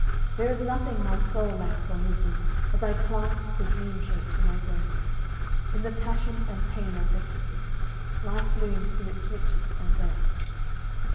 There is nothing my soul lacks or misses As I clasp the dream shape to my breast; In the passion and pain of her kisses Life blooms to its richest and best.